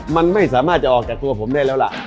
มันไม่สามารถจะออกจากตัวผมได้แล้วล่ะ